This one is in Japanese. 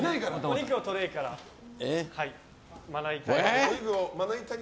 お肉をトレーからまな板へ。